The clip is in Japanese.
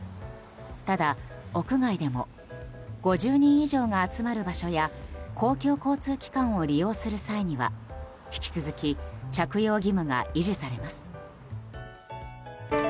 ただ、屋外でも５０人以上が集まる場所や公共交通機関を利用する際には引き続き着用義務が維持されます。